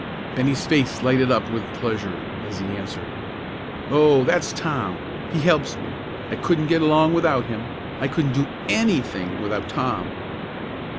Bennie's face lighted up with pleasure, as he answered, "Oh, that's Tom! He helps me. I couldn't get along without him; I couldn't do any thing without Tom."